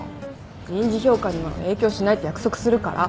人事評価には影響しないって約束するから。